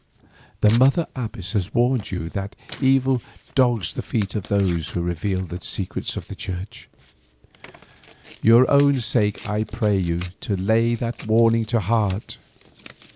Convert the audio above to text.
The mother abbess has warned you that evil dogs the feet of those who reveal the secrets of the Church. For your own sake I pray you to lay that warning to heart."